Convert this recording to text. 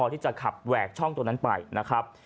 ที่จะขับแหวกช่องตัวนั้นไปนะครับ